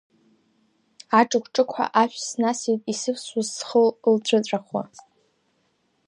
Аҿыгә-ҿыгәҳәа ашә снасит, исывсуаз схы лцәыҵәахуа.